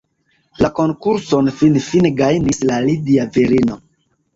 La konkurson finfine gajnis la lidia virino.